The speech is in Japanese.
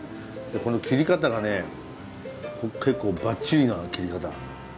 この切り方がね結構ばっちりな切り方。